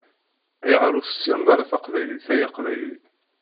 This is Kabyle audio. Ayɣeṛ ur tessineḍ ara taqbaylit ay aqbayli?